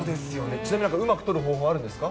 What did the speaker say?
ちなみに、なんかうまく撮る方法あるんですか？